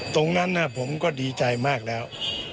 ตรงนั้นผมก็ดีใจมากแล้ว